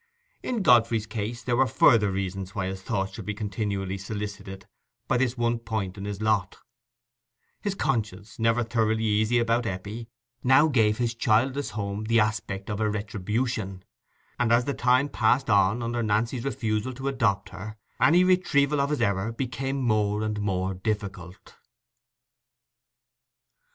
In Godfrey's case there were further reasons why his thoughts should be continually solicited by this one point in his lot: his conscience, never thoroughly easy about Eppie, now gave his childless home the aspect of a retribution; and as the time passed on, under Nancy's refusal to adopt her, any retrieval of his error became more and more difficult.